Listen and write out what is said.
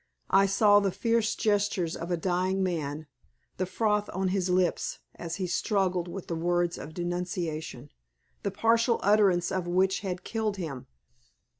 I saw the fierce gestures of a dying man, the froth on his lips, as he struggled with the words of denunciation, the partial utterance of which had killed him.